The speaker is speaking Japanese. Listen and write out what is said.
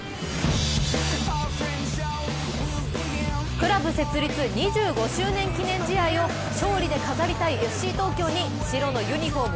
クラブ設立２５周年記念試合を勝利で飾りたいＦＣ東京に白のユニフォーム